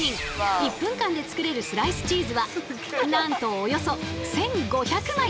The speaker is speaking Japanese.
１分間で作れるスライスチーズはなんとおよそ１，５００枚。